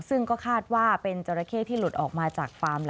ซึ่งก็คาดว่าเป็นจราเข้ที่หลุดออกมาจากฟาร์ม